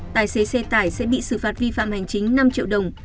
tài xế xe tải sẽ bị xử phạt vi phạm hành chính năm triệu đồng